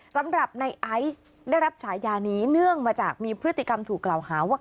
สำหรับในไอซ์ได้รับฉายานี้เนื่องมาจากมีพฤติกรรมถูกกล่าวหาว่า